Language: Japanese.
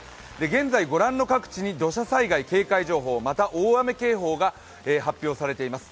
現在、ご覧の各地に土砂災害警戒情報、また、大雨警報が発表されています。